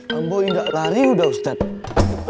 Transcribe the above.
rambo tidak lari udah ustadz